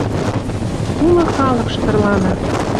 Улы халык шытырлана